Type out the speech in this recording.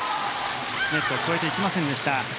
ネットを越えていきませんでした。